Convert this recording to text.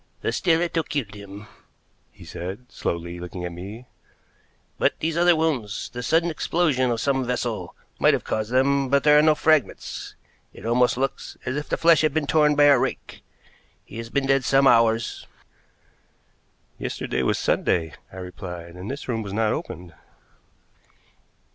"The stiletto killed him," he said, slowly, looking at me, "but these other wounds the sudden explosion of some vessel might have caused them, but there are no fragments. It almost looks as if the flesh had been torn by a rake. He has been dead some hours." "Yesterday was Sunday," I replied, "and this room was not opened."